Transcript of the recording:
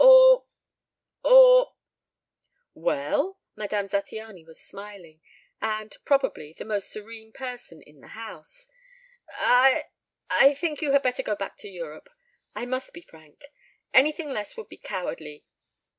or ... or " "Well?" Madame Zattiany was smiling, and, probably, the most serene person in the house. "I I think you had better go back to Europe. I must be frank. Anything less would be cowardly.